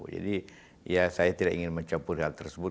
ya saya tidak ingin mencampur hal tersebut